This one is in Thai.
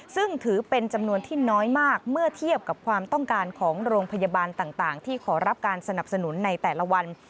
ซึ่งถือเป็นจำนวนที่น้อยมากเมื่อเทียบกับความต้องการของโรงพยาบาลต่างที่ขอรับการสนับสนุนในแต่ละวัน